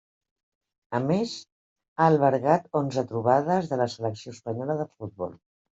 A més, ha albergat onze trobades de la Selecció Espanyola de futbol.